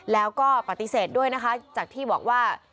แล้วก็ปฏิเสธด้วยนะคะจากที่บอกว่า